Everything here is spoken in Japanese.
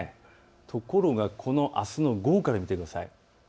ところがあすの午後から見てください。